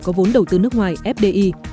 có vốn đầu tư nước ngoài fdi